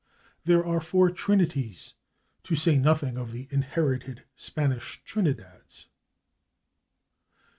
There are four /Trinities/, to say nothing of the inherited Spanish /Trinidads